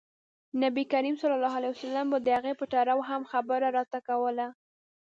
نبي کریم ص به د هغې په تړاو هم خبره راته کوله.